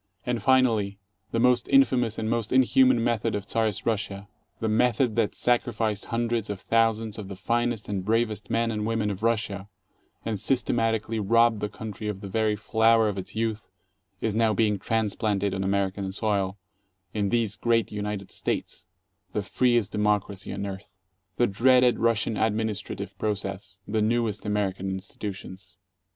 And, finally, the most infamous and most inhuman method of Czarist Russia, the method that sacrificed hundreds of thousands of the finest and bravest men and women of Russia, and systemat ically robbed the country of the very flower of its youth, is now being transplanted on American soil, in these great United States, the freest democracy on earth. The dreaded Russian administra tive process the newest American institutions!